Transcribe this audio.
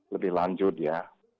lebih lanjut ya